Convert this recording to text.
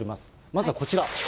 まずはこちら。